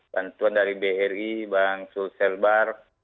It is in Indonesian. bantuan dari bri bang sulselbar